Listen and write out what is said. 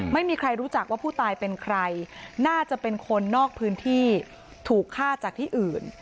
ไม่มีใครรู้จักว่าผู้ตายเป็นใครน่าจะเป็นคนนอกพื้นที่ถูกฆ่าจากที่อื่น